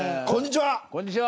こんにちは。